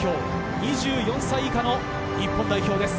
２４歳以下の日本代表です。